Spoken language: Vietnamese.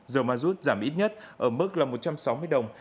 dầu ma rút giảm ít nhất ở mức là một trăm sáu mươi đồng